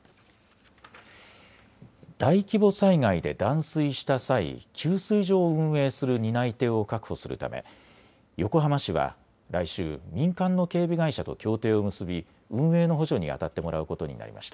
大規模災害で断水した際、給水所を運営する担い手を確保するため横浜市は来週、民間の警備会社と協定を結び、運営の補助にあたってもらうことになりました。